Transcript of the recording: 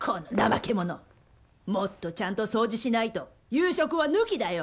もっとちゃんと掃除しないと夕食は抜きだよ！